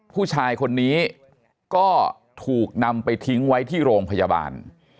ผู้ชายคนนี้ก็ถูกนำไปทิ้งไว้ที่โรงพยาบาล